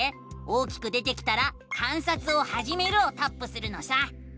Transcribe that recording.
大きく出てきたら「観察をはじめる」をタップするのさ！